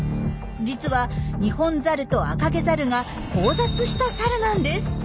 実はニホンザルとアカゲザルが交雑したサルなんです。